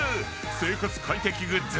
生活快適グッズ